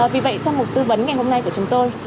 vì vậy trong một tư vấn ngày hôm nay của chúng tôi